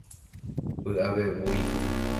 Py'avevúi.